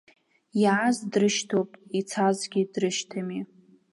Иааз дрышьҭоуп, ицазгьы дрышьҭами.